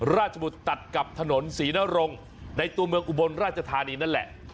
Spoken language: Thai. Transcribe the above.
ราชบุตรตัดกับถนนศรีนรงค์ในตัวเมืองอุบลราชธานีนั่นแหละ